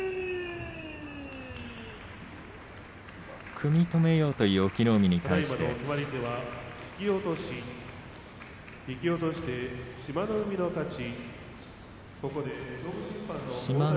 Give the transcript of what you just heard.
組み止めようという隠岐の海に対して志摩ノ